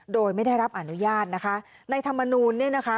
โดยไม่ได้รับอนุญาตนะคะในธรรมนูลเนี่ยนะคะ